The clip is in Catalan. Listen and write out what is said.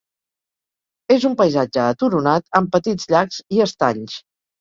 És un paisatge aturonat amb petits llacs i estanys.